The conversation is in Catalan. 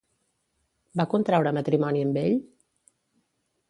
Va contraure matrimoni amb ell?